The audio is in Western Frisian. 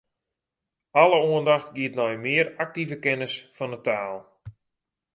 Alle oandacht giet nei in mear aktive kennis fan 'e taal.